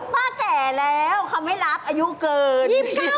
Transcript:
พ่อแจะแล้วเค้าไม่รับอายุเกิน